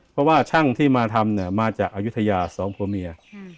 เพราะว่าช่างที่มาทำเนี่ยมาจากอายุทยาสองผัวเมีย